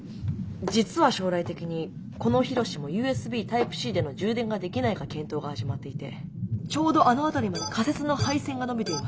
実は将来的にこの緋炉詩もＵＳＢタイプＣでの充電ができないか検討が始まっていてちょうどあの辺りまで仮設の配線が延びています。